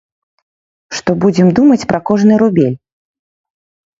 Што будзем думаць пра кожны рубель.